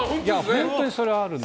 本当にそれはあるので。